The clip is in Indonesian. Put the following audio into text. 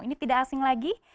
ini tidak asing lagi